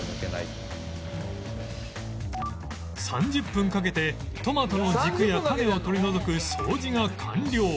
３０分かけてトマトの軸や種を取り除く掃除が完了